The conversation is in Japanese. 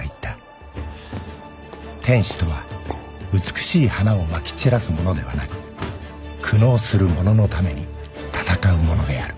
「天使とは美しい花を撒き散らす者ではなく苦悩する者のために戦う者である」